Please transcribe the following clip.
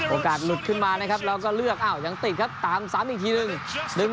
โอกาสหลุดขึ้นมานะครับแล้วก็เลือกอ้าวยังติดครับตามซ้ำอีกทีหนึ่ง